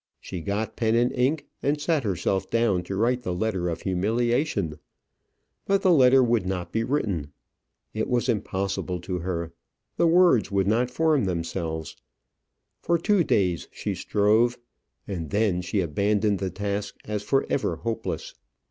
She got pen and ink and sat herself down to write the letter of humiliation; but the letter would not be written; it was impossible to her; the words would not form themselves: for two days she strove, and then she abandoned the task as for ever hopeless.